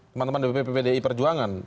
teman teman dpp pdi perjuangan